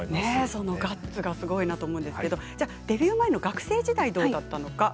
そのガッツがすばらしいなと思うんですが、デビュー前の学生時代はどうだったのか